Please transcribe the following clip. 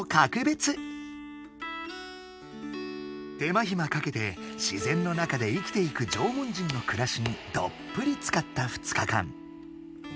手間ひまかけて自然の中で生きていく縄文人の暮らしにどっぷりつかった２日間。